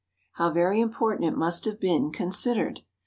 How very important it must have been considered!